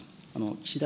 岸田